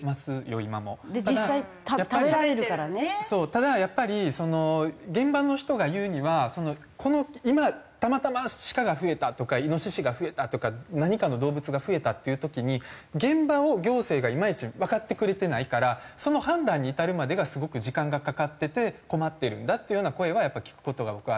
ただやっぱり現場の人が言うには今たまたまシカが増えたとかイノシシが増えたとか何かの動物が増えたっていう時に現場を行政がいまいちわかってくれてないからその判断に至るまでがすごく時間がかかってて困ってるんだっていうような声は聞く事が僕はあるんですよね。